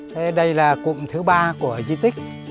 thế đây là cụm thứ ba của di tích